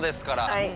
はい。